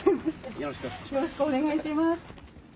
よろしくお願いします。